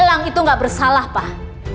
lang itu tidak bersalah pak